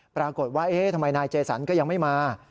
ปรากฏว่าเอ๊ะทำไมนายเจสันก็ยังไม่มา